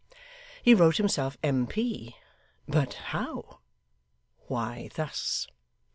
He wrote himself M.P. but how? Why, thus.